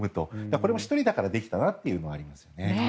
これも１人だからできたなというのがありますね。